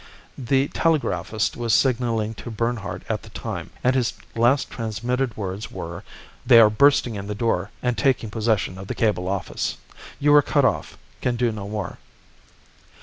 The telegraphist was signalling to Bernhardt all the time, and his last transmitted words were, 'They are bursting in the door, and taking possession of the cable office. You are cut off. Can do no more.